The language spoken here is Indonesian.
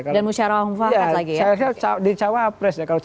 dan musyarawah umfakat lagi ya